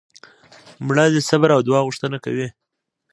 مړه د صبر او دعا غوښتنه کوي